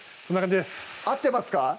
合ってますか？